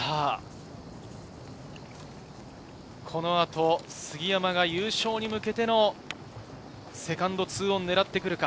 この後、杉山が優勝に向けてのセカンド、２オン狙ってくるか？